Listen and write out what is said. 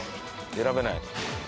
選べない。